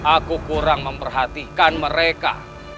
aku kurang memperhatikan mereka